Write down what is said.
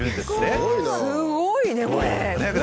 すごいね！